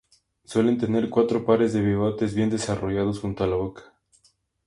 Suelen tener cuatro pares de bigotes bien desarrollados junto a la boca.